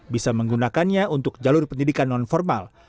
bisa menggunakannya untuk jalur pendidikan non formal